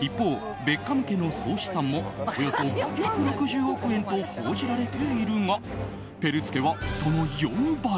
一方、ベッカム家の総資産もおよそ５６０億円と報じられているがペルツ家はその４倍。